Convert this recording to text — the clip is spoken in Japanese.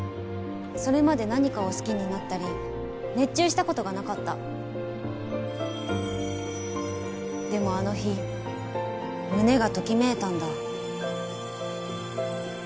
それまで何かを好きになったり熱中したことがなかったでもあの日胸がときめいたんだ